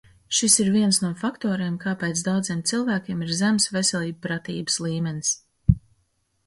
Šis ir viens no faktoriem, kāpēc daudziem cilvēkiem ir zems veselībpratības līmenis.